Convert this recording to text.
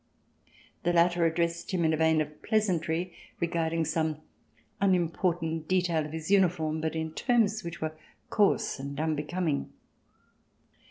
The latter addressed him in a vein of pleasantry, regarding some unimportant detail of his uniform, but in terms which were coarse and unbecoming.